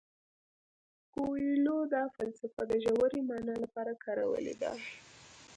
کویلیو دا فلسفه د ژورې مانا لپاره کارولې ده.